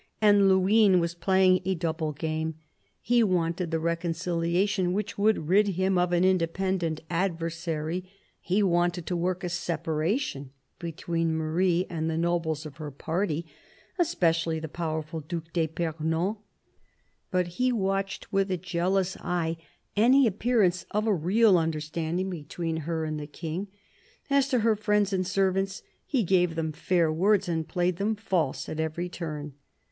And Luynes was playing a double game. He wanted the reconciliation, which would rid him of an independent adversary ; he wanted to work a separation between Marie and the nobles of her party, especially the powerful Due d'fipernon ; but he watched with a jealous eye any appear ance of a real understanding between her and the King. As to her friends and servants, he gave them fair words and played them false at every turn.